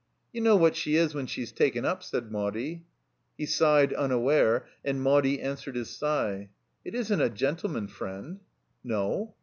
"You know what she is when she's taken up," said Maudie. He sighed unaware, and Maudie answered his sigh. It isn't a gentleman friend." "No?"